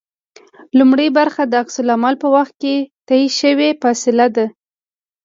لومړۍ برخه د عکس العمل په وخت کې طی شوې فاصله ده